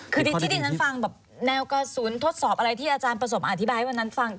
คือที่ดิฉันฟังแบบแนวกระสุนทดสอบอะไรที่อาจารย์ประสบอธิบายให้วันนั้นฟัง